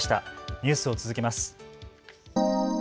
ニュースを続けます。